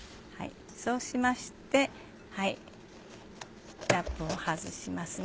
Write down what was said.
そうしましてラップを外しますね。